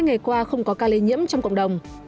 sáu mươi ngày qua không có ca lây nhiễm trong cộng đồng